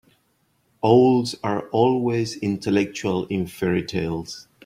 Owls are always intellectual in fairy-tales.